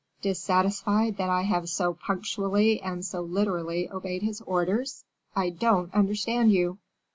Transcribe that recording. dissatisfied that I have so punctually and so literally obeyed his orders? I don't understand you."